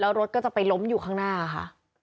แล้วรถก็จะไปล้มอยู่ข้างหน้าค่ะ